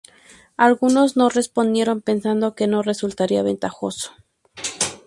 Algunos no respondieron pensando que no resultaría ventajoso.